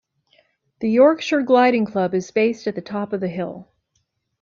The Yorkshire Gliding Club is based at the top of the hill.